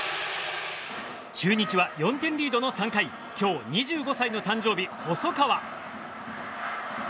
中日は４点リードの３回今日２５歳の誕生日、細川。